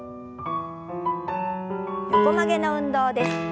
横曲げの運動です。